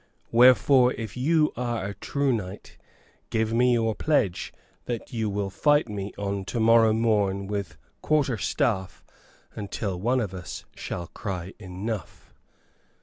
Wherefore, if you are a true knight, give me your pledge that you will fight me on to morrow morn with quarter staff until one of us shall cry 'Enough.'"